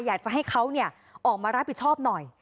อยากจะให้เขาออกมารับผิดชอบหน่อย